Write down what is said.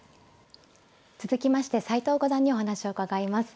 続きまして斎藤五段にお話を伺います。